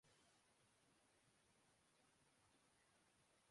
پر جرمانہ عاید کردے گا